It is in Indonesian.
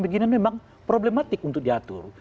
begini memang problematik untuk diatur